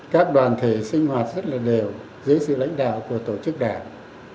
các đoàn thể sinh hoạt rất là đều dưới sự lãnh đạo của tổ chức đảng